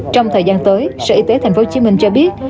trong thời gian tới sở y tế thành phố hồ chí minh cho biết